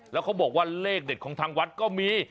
แล้วเขาบอกว่าเลขเด็ดของทางวัดก็มี